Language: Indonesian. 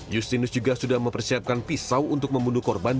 justinus juga sudah mempersiapkan pisau untuk membunuh korban